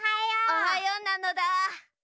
おはようなのだ。